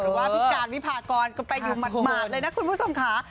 หรือว่าผิการวิพากรไปอยู่หมดเลยนะคุณผู้ชมขา